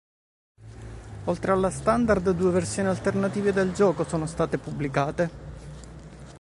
Oltre alla standard, due versioni alternative del gioco sono state pubblicate.